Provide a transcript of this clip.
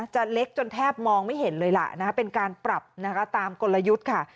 เล็กจนแทบมองไม่เห็นเลยล่ะนะคะเป็นการปรับนะคะตามกลยุทธ์ค่ะ